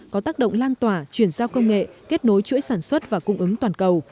có tác động lan tỏa chuyển giao công nghệ kết nối chuỗi sản xuất và cung ứng toàn cầu